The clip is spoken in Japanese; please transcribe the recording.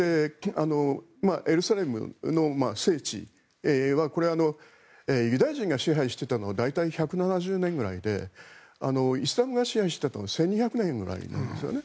エルサレムの聖地は、これはユダヤ人が支配していたのは大体１７０年くらいでイスラムが支配していたのは１２００年ぐらいなんですよね。